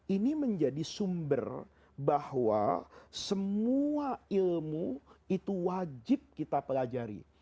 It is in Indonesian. ini menjadi sumber bahwa semua ilmu itu wajib kita pelajari